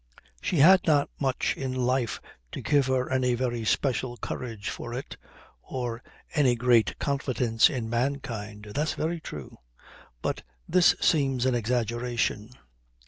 "She had not much in life to give her any very special courage for it, or any great confidence in mankind. That's very true. But this seems an exaggeration."